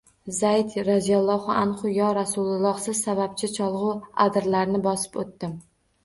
Zayd roziyallohu anhu: “Yo Rasululloh, siz sabab cho‘lu adirlarni bosib o‘tdim